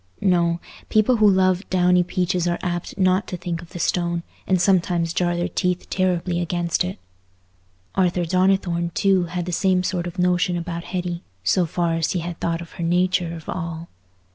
No: people who love downy peaches are apt not to think of the stone, and sometimes jar their teeth terribly against it. Arthur Donnithorne, too, had the same sort of notion about Hetty, so far as he had thought of her nature of all.